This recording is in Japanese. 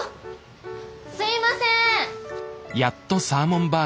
すいません！